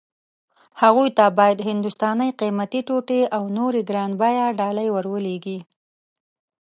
هغوی ته باید هندوستاني قيمتي ټوټې او نورې ګران بيه ډالۍ ور ولېږي.